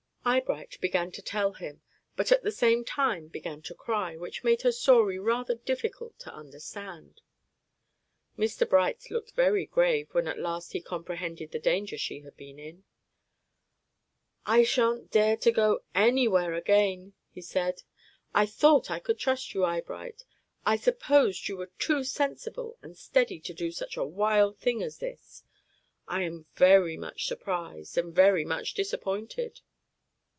Eyebright began to tell him, but at the same time began to cry, which made her story rather difficult to understand. Mr. Bright looked very grave when at last he comprehended the danger she had been in. "I shan't dare to go anywhere again," he said. "I thought I could trust you, Eyebright. I supposed you were too sensible and steady to do such a wild thing as this. I am very much surprised and very much disappointed."